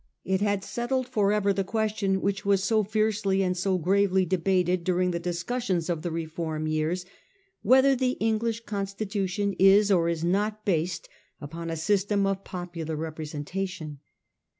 It had settled for ever the question which was so fiercely and so gravely debated during the discussions of the reform years, whether the English Constitution is or is not based upon a system of popular representation.